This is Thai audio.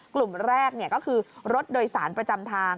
กลุ่มแรกก็คือรถโดยสารประจำทาง